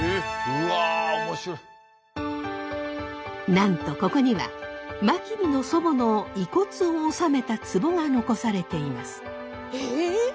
なんとここには真備の祖母の遺骨を納めたつぼが残されています。